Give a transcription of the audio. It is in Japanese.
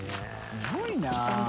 すごいな。